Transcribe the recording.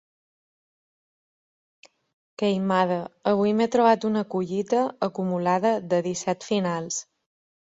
Queimada, avui m'he trobat una collita acumulada de disset finals.